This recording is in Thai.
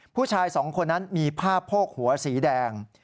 ผู้ชายสองคนนั้นมีผ้าโพกหัวสีแดง